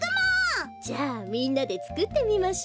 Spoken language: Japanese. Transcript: じゃあみんなでつくってみましょ。